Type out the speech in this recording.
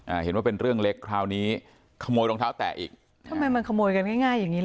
อ่าเห็นว่าเป็นเรื่องเล็กคราวนี้ขโมยรองเท้าแตะอีกทำไมมันขโมยกันง่ายง่ายอย่างงี้เห